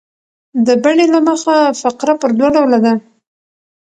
د بڼي له مخه فقره پر دوه ډوله ده.